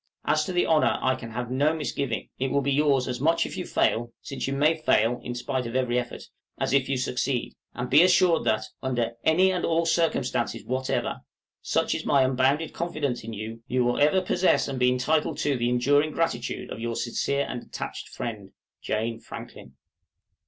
As to the honor I can have no misgiving. It will be yours as much if you fail (since you may fail in spite of every effort) as if you succeed; and be assured that, under any and all circumstances whatever, such is my unbounded confidence in you, you will ever possess and be entitled to the enduring gratitude of your sincere and attached friend, JANE FRANKLIN.